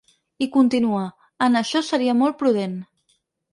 I continua: En això seria molt prudent.